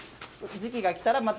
時期が来たらまた。